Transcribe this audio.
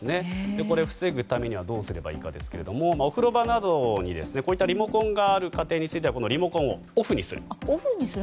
これを防ぐためにはどうすればいいかですけれどもお風呂場などにリモコンがある家庭についてはこのリモコンをオフにする。